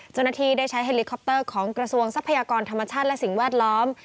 เจ้าหน้าที่ได้ใช้เฮลิคอปเตอร์ของกระทรวงทรัพยากรธรรมชาติและสิ่งแวดล้อม